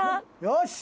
よし！